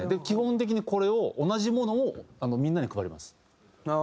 基本的にこれを同じものをみんなに配ります。